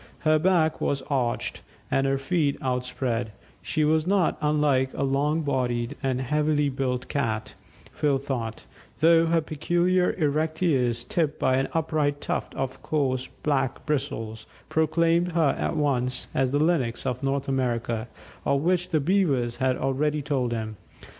Her back was arched, and her feet outspread; she was not unlike a long bodied and heavily built cat, Phil thought, though her peculiar erect ears, tipped by an upright tuft of coarse black bristles, proclaimed her at once as the Lynx of North America, of which the Beavers had already told him.